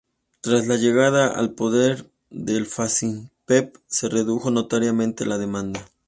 Tras la llegada al poder del Funcinpec, se redujo notoriamente la demanda.